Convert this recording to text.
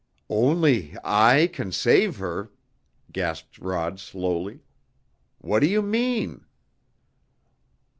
"Only I can save her?" gasped Rod slowly. "What do you mean?"